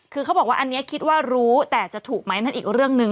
คือเขาบอกว่าอันนี้คิดว่ารู้แต่จะถูกไหมนั่นอีกเรื่องหนึ่ง